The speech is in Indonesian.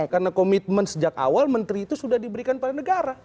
karena komitmen sejak awal menteri itu sudah diberikan pada negara